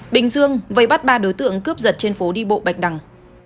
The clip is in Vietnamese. bình dương vây bắt ba đối tượng cướp giật trên phố đi bộ bạch đằng